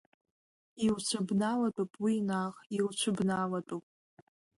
Илцәыбналатәуп уи наҟ, илцәыбналатәуп.